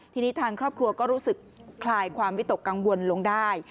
ทีนี้ทางครอบครัวก็รู้สึกคลายความวิตกกังวลลงได้